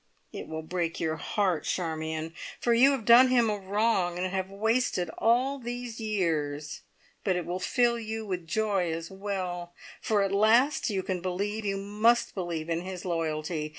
It will break your heart, Charmion, for you have done him a wrong, and have wasted all these years; but it will fill you with joy as well, for at last you can believe you must believe in his loyalty.